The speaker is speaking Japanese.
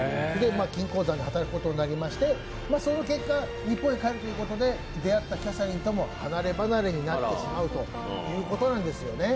金鉱山で働くことになりましてその結果、日本へ帰るということで出会ったキャサリンとも離れ離れになってしまうんですね。